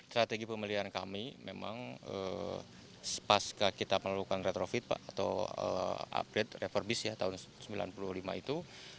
strategi pemeliharaan kami memang sepas kita melakukan retrofit atau upgrade reformis ya tahun seribu sembilan ratus sembilan puluh lima itu